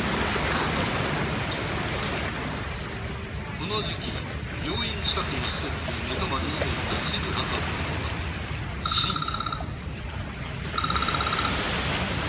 この時期、病院近くの施設で寝泊りしていた静葉さんのもとに、深夜。